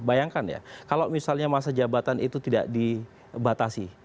bayangkan ya kalau misalnya masa jabatan itu tidak dibatasi